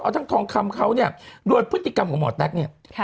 เอาทั้งทองคำเขาเนี่ยโดยพฤติกรรมของหมอแต๊กเนี่ย